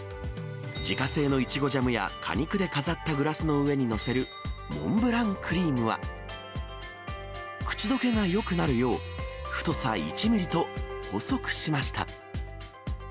自家製のイチゴジャムや、果肉で飾ったグラスの上に載せるモンブランクリームは、口どけがよくなるよう、太さ１ミリと、細くしました。